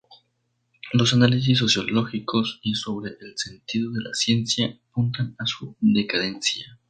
Los análisis sociológicos y sobre el sentido de la ciencia apuntan a su decadencia.